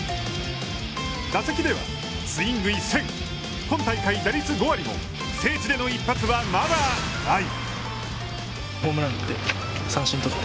打席ではスイング一閃今大会、打率５割も、聖地での一発は、まだない。